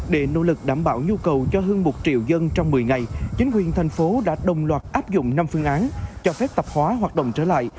để nỗ lực đảm bảo nhu cầu cho hơn một triệu dân trong một mươi ngày chính quyền thành phố đã đồng loạt áp dụng năm phương án cho phép tạp hóa hoạt động trở lại